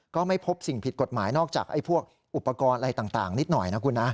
ก็ไม่พบสิ่งผิดกฎหมายนอกจากพวกอุปกรณ์อะไรต่างนิดหน่อยนะคุณนะ